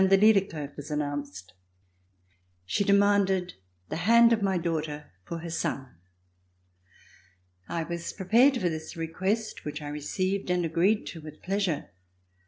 de Liedekerke was announced. She demanded the hand of my daughter for her son. I was prepared for this request which I received and agreed to with pleasure.